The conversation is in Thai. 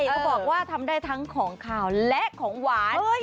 เขาบอกว่าทำได้ทั้งของขาวและของหวาน